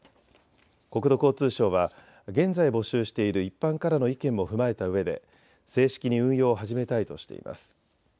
国土交通省は現在募集している一般からの意見も踏まえたうえで正式に運用を始めたいとしています。